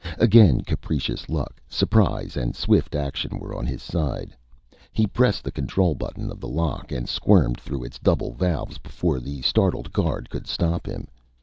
Again, capricious luck, surprise, and swift action were on his side. He pressed the control button of the lock, and squirmed through its double valves before the startled guard could stop him.